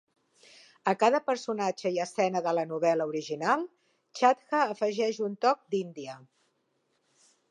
A cada personatge i escena de la novel·la original, Chadha afegeix un toc d'índia.